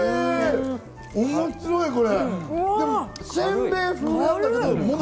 面白い、これ！